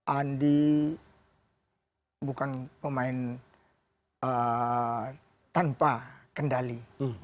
andi bukan pemain tanpa kendali